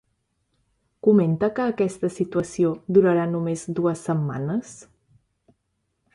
Comenta que aquesta situació durarà només dues setmanes?